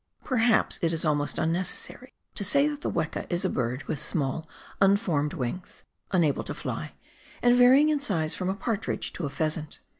Perhaps it is almost unnecessary to say that the weka is a bird with small unformed wings, unable to fly, and var3'ing in size from a partridge to a pheasant.